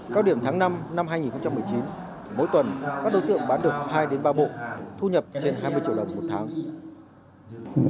cao điểm tháng năm năm hai nghìn một mươi chín mỗi tuần các đối tượng bán được hai đến ba bộ thu nhập trên hai mươi triệu đồng một tháng